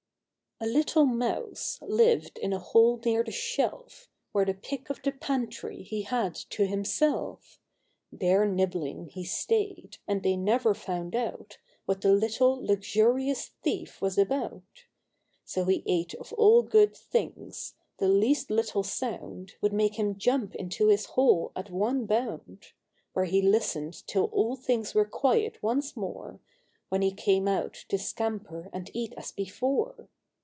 A LITTLE Mouse lived in a hole near the shelf, Where the pick of the pantry he had to himself. There nibbling he stayed, and they never found out What the little, luxurious thief was about, jgo he ate of all good things ; the least little sound Would make him jump into his hole at one bound, Where he listened till all things were quiet once more, When he came out to scamper and eat as before. THE GREEDY MOUSE.